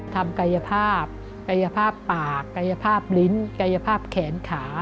ทำกายภาพกายภาพปากกายภาพลิ้นกายภาพแขนขา